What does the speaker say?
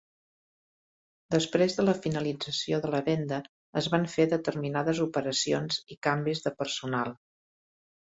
Després de la finalització de la venda, es van fer determinades operacions i canvis de personal.